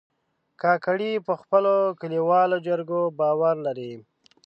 کاکړي په خپلو کلیوالو جرګو باور لري.